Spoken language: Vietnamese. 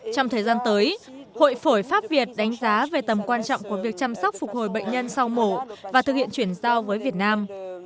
trong thời gian tới hội phổi pháp việt đánh giá về tầm quan trọng của việc chăm sóc phục hồi bệnh nhân sau mổ và thực hiện chuyển giao với việt nam